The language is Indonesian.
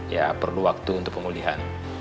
ya perlu waktu untuk pemulihan